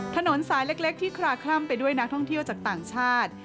ถนนสายเล็กที่คลาคล่ำไปด้วยนักท่องเที่ยวจากต่างชาติ